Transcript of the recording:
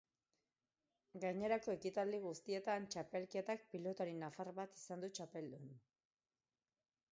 Gainerako ekitaldi guztietan txapelketak pilotari nafar bat izan du txapeldun.